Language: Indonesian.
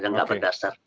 yang tidak berdasar